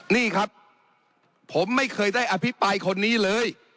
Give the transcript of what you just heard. นี่ครับผมไม่เคยได้อภิปรายคนนี้เลย